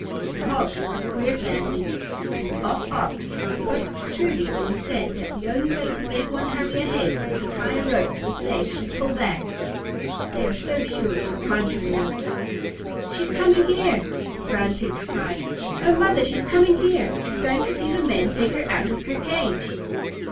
The Hogs are a queer family, and the Off Ox spoke truly when he said that the only way to make one hurry ahead is to tie a rope to his leg and pull back, they are so sure to be contrary. "She's coming here!" the Brown Pigs cried. "Oh, Mother, she's coming here! We're going to see the men take her out of her cage."